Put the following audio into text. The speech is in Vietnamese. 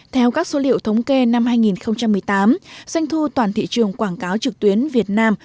theo các số liệu thống kê năm hai nghìn một mươi tám doanh thu toàn thị trường quảng cáo trực tuyến việt nam